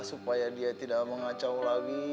supaya dia tidak mengacau lagi